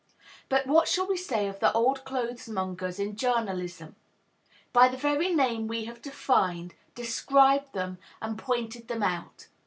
But what shall we say of the old clothes mongers in journalism? By the very name we have defined, described them, and pointed them out.